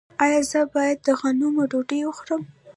ایا زه باید د غنمو ډوډۍ وخورم؟